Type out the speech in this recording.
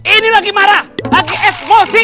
ini lagi marah lagi eksposi